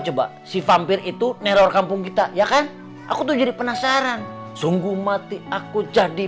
coba si vampir itu neror kampung kita ya kan aku tuh jadi penasaran sungguh mati aku jadi